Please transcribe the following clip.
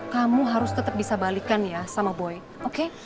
kamu harus tetap bisa balikan ya sama boy oke